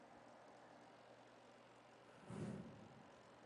Kwa sasa mji wa kisasa umekuwa sana nje ya mji mkongwe